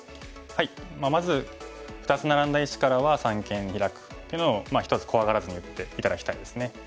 まず２つナラんだ石からは三間にヒラくというのを一つ怖がらずに打って頂きたいですね。